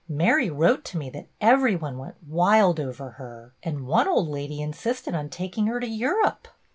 Mary wrote to me that every one went wild over her, and one old lady insisted on taking her to Europe."